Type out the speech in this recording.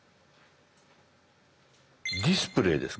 「ディスプレイ」ですか？